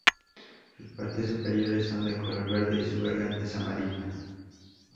Sus partes superiores son de color verde, y su garganta es amarilla.